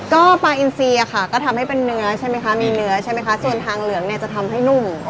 ก็ปลาอินซีอะค่ะก็ทำให้เป็นเนื้อใช่ไหมคะมีเนื้อใช่ไหมคะส่วนทางเหลืองเนี่ยจะทำให้นุ่ม